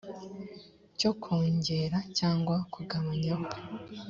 cyo kwongera cyangwa kugabanyaho